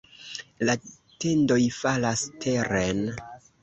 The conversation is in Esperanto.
La tendoj falas teren.